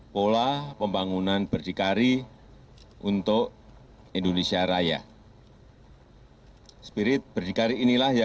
pola pembangunan berdikari untuk indonesia raya